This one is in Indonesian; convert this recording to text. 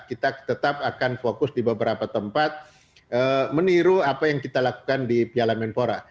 kita tetap akan fokus di beberapa tempat meniru apa yang kita lakukan di piala menpora